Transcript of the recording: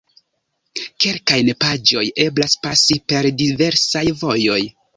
Kelkajn paĝojn eblas pasi per diversaj vojoj.